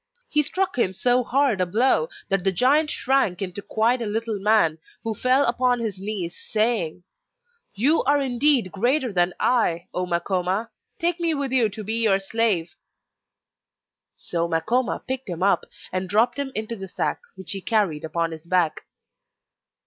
He struck him so hard a blow that the giant shrank into quite a little man, who fell upon his knees saying: 'You are indeed greater than I, O Makoma; take me with you to be your slave!' So Makoma picked him up and dropped him into the sack that he carried upon his back.